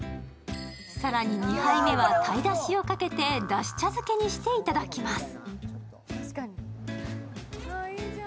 更に２杯目は鯛だしをかけてだし茶漬けにしていただきます。